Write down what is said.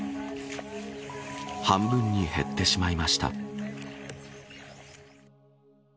半分に減ってしまいました。